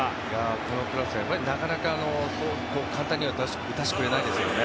このクラスはそう簡単には打たせてくれないですよね。